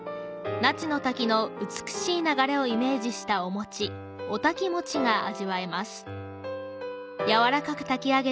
那智の滝の美しい流れをイメージしたお餅、お滝もちが味わえます。